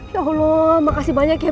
ya allah makasih banyak ya